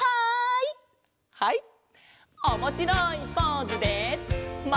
はい！